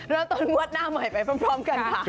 เริ่มต้นงวดหน้าใหม่ไปพร้อมกันค่ะ